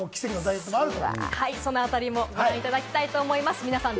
そのあたりもご覧いただきたいと思います。